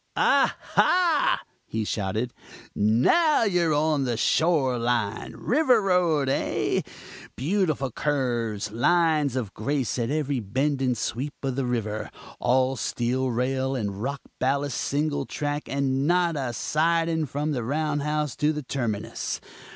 "Ah, ha!" he shouted, "now you're on the Shore line! River Road, eh? Beautiful curves, lines of grace at every bend and sweep of the river; all steel rail and rock ballast; single track, and not a siding from the round house to the terminus.